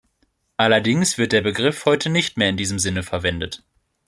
Allerdings wird der Begriff heute nicht mehr in diesem Sinne verwendet.